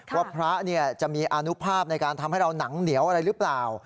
ว่าพระจะมีอานุภาพในการทำให้เราหนังเหนียวอะไรหรือเปล่า